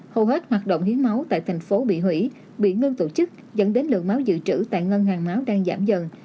hầu hết hoạt động hiến máu tại thành phố bị hủy bị ngưng tổ chức dẫn đến lượng máu dự trữ tại ngân hàng máu đang giảm dần